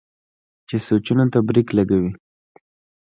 چې سوچونو ته برېک لګوي